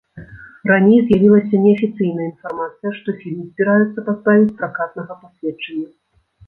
Раней з'явілася неафіцыйная інфармацыя, што фільм збіраюцца пазбавіць пракатнага пасведчання.